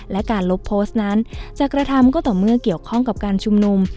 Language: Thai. และการลบโพสต์นั้นจะกระทำก็ต่อเมื่อเกี่ยวข้องกับการชุมนุม